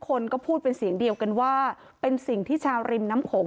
คนก็พูดเป็นเสียงเดียวกันว่าเป็นสิ่งที่ชาวริมน้ำโขง